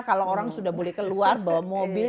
kalau orang sudah boleh keluar bawa mobil